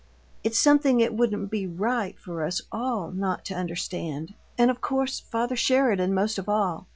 It's something it wouldn't be RIGHT for us ALL not to understand, and of course father Sheridan most of all.